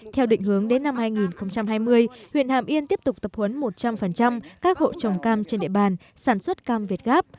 theo định hướng đến năm hai nghìn hai mươi huyện hàm yên tiếp tục tập huấn một trăm linh các hộ trồng cam trên địa bàn sản xuất cam việt gáp